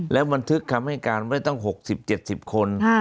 แล้วบันทึกคำให้การไปตั้งหกสิบเจ็ดสิบคน